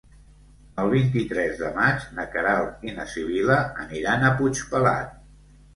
El vint-i-tres de maig na Queralt i na Sibil·la aniran a Puigpelat.